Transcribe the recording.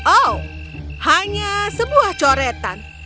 oh hanya sebuah coretan